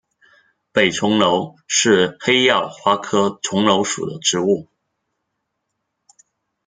北重楼是黑药花科重楼属的植物。